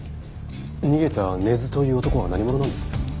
逃げた根津という男は何者なんです？